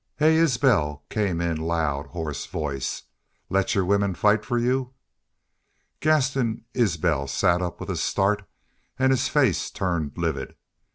"Hey, Isbel!" came in loud, hoarse voice. "Let your women fight for you." Gaston Isbel sat up with a start and his face turned livid.